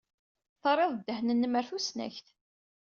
Terriḍ ddehn-nnem ɣer tusnakt.